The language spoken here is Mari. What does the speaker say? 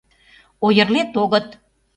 Ойырлет-огыт!..